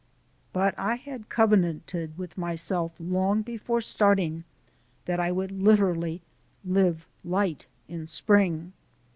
But I had covenanted with myself long before starting that I would literally "live light in spring."